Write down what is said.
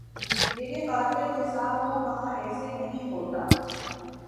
مرے قاتل حساب خوں بہا ایسے نہیں ہوتا